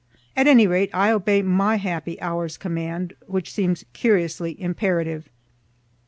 At any rate I obey my happy hour's command, which seems curiously imperative.